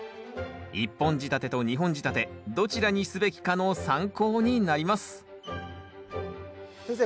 １本仕立てと２本仕立てどちらにすべきかの参考になります先生